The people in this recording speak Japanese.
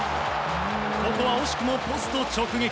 ここは惜しくもポスト直撃。